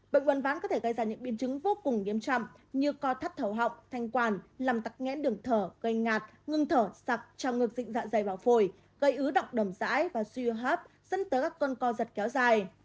bệnh quấn ván có thể gây ra những biên chứng vô cùng nghiêm trọng như co thắt thầu họng thanh quản làm tắc nghẽn đường thở gây ngạt ngừng thở sặc trao ngược dịnh dạ dày vào phổi gây ứ động đầm rãi và suy hấp dẫn tới các con co giật kéo dài